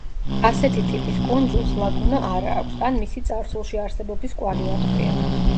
ასეთი ტიპის კუნძულს ლაგუნა არა აქვს ან მისი წარსულში არსებობის კვალი ატყვია.